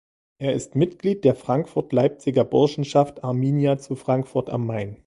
Er ist Mitglied der Frankfurt-Leipziger Burschenschaft Arminia zu Frankfurt am Main.